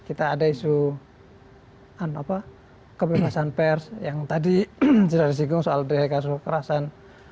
kita ada isu kebebasan pers yang tadi cerah jerah soal kasus kekerasan